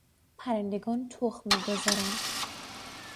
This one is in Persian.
پرندگان تخم میگذارند.